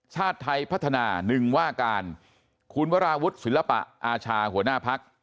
ชาติไทยพัฒนาหนึ่งว่าการคุณวราวุฒิศิลปะอาชาหัวหน้าพัก